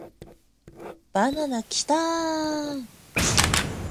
バナナキターーーーーー